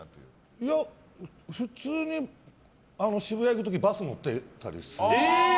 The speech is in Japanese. いや、普通に渋谷行く時バス乗ってたりする。